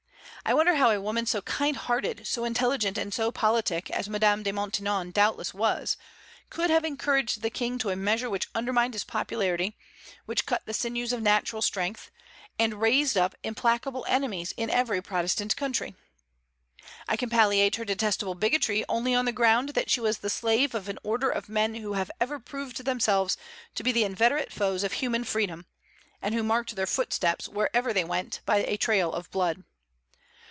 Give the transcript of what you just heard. I wonder how a woman so kind hearted, so intelligent, and so politic as Madame de Maintenon doubtless was, could have encouraged the King to a measure which undermined his popularity, which cut the sinews of natural strength, and raised up implacable enemies in every Protestant country. I can palliate her detestable bigotry only on the ground that she was the slave of an order of men who have ever proved themselves to be the inveterate foes of human freedom, and who marked their footsteps, wherever they went, by a trail of blood.